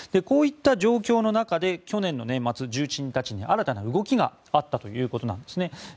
こういった状況の中で去年の年末重鎮たちに新たな動きがあったということなんですね。